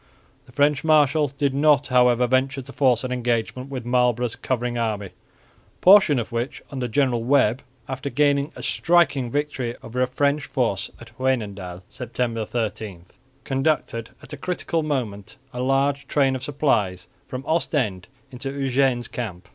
The French marshal did not, however, venture to force an engagement with Marlborough's covering army, a portion of which under General Webb, after gaining a striking victory over a French force at Wynendael, (September 30), conducted at a critical moment a large train of supplies from Ostend into Eugene's camp.